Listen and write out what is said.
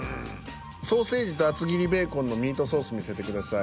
ソーセージと厚切りベーコンのミートソース見せてください。